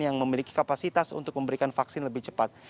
yang memiliki kapasitas untuk memberikan vaksin lebih cepat